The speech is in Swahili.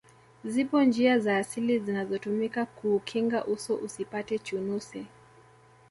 zipo njia za asili zinazotumika kuukinga uso usipate chunusi